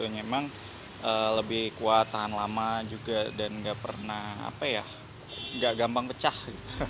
memang lebih kuat tahan lama juga dan tidak pernah apa ya tidak gampang pecah